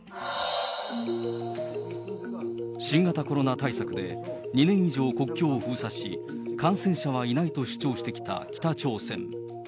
新型コロナ対策で、２年以上国境を封鎖し、感染者はいないと主張してきた北朝鮮。